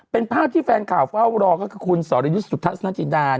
เป็นภาพที่แฟนข่าวเฝ้ารอก็คือคุณสรยุทธ์สุทัศนจินดา